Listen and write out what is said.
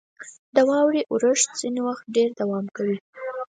• د واورې اورښت ځینې وخت ډېر دوام کوي.